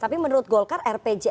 tapi menurut golkar rpjmn itu apa